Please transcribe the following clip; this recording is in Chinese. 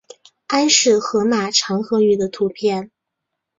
安氏河马长颌鱼的图片